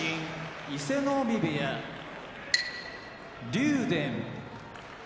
伊勢ノ海部屋竜電